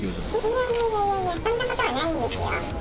いやいやいやいや、そんなことはないですよ。